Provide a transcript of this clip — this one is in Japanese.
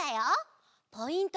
ポイント